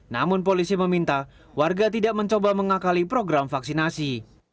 namun polisi meminta warga tidak mencoba mengakali program vaksinasi